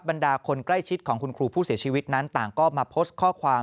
บรรดาคนใกล้ชิดของคุณครูผู้เสียชีวิตนั้นต่างก็มาโพสต์ข้อความ